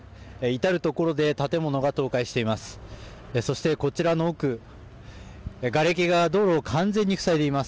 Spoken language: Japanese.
至る所で建物が倒壊しています。